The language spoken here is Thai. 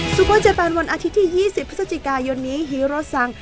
โกเจแปนวันอาทิตย์ที่๒๐พฤศจิกายนนี้ฮีโรสัง